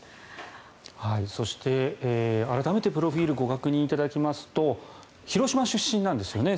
そして、改めてプロフィルをご確認いただきますと広島出身なんですね。